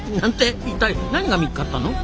一体何が見っかったの？